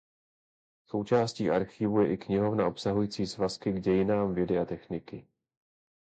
Součástí archivu je i knihovna obsahující svazky k dějinám vědy a techniky.